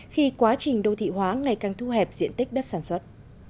khi quá trình đô thị hóa ngày càng thu hẹp diện tích đất sản xuất